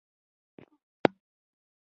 پر پښتو ژبه یې لیکم.